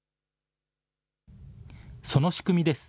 その仕組みです。